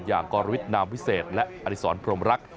อย่างกรวิตนามวิเศษและอริสรพรหมรัก